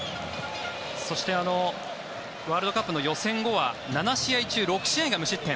そしてワールドカップの予選後は７試合中６試合が無失点。